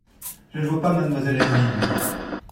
Je ne vois pas mademoiselle Emmeline…